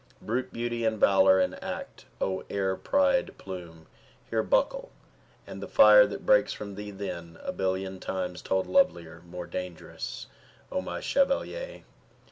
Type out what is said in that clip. Brute beauty and valour and act, oh, air, pride, plume, here Buckle! AND the fire that breaks from thee then, a billion Times told lovelier, more dangerous, O my chevalier!